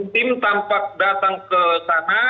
tim tampak datang ke sana